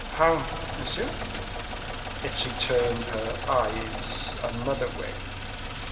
"How, monsieur?" "If she turned her eyes another way."